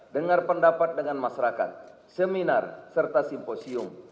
dengar pendapat dengan masyarakat seminar serta simposium